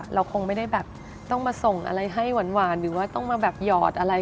เราคงไม่ได้แบบต้องมาส่งอะไรให้หวานหรือว่าต้องมาแบบหยอดอะไร